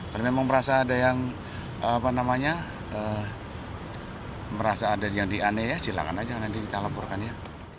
kalau memang merasa ada yang apa namanya merasa ada yang dianeh ya silakan aja nanti kita laporkan ya